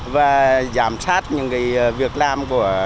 và giảm sát những việc làm